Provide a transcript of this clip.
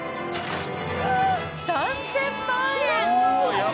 ３０００万円。